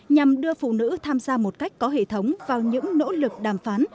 nhằm đưa phụ nữ tham gia một cách có hệ thống vào những nỗ lực đàm phán